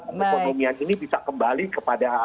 perekonomian ini bisa kembali kepada